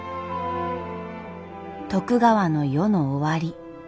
徳川の世の終わり。